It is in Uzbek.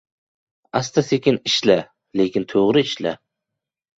• Asta-sekin ishla, lekin to‘g‘ri ishla.